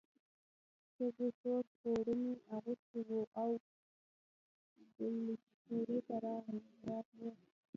ښځو تور پوړوني اغوستي وو او کلشپورې ته راتلې.